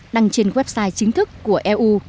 đăng trên website chính thức của eu